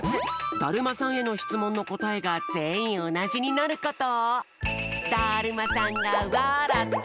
だるまさんへのしつもんのこたえがぜんいんおなじになること。